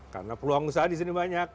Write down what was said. karena peluang usaha disini banyak